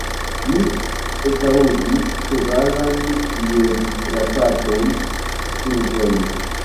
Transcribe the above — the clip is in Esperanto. Mi ekaŭdis ĉevalan piedfrapadon survoje.